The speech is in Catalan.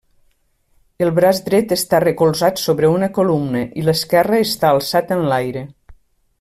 El braç dret està recolzat sobre una columna i l'esquerre està alçat enlaire.